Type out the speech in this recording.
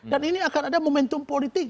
dan ini akan ada momentum politik